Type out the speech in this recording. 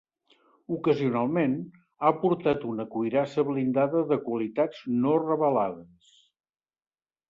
Ocasionalment, ha portat una cuirassa blindada de qualitats no revelades.